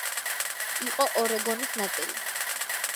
იყო ორეგონის ნაწილი.